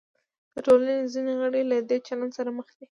د ټولنې ځینې غړي له دې چلند سره مخ دي.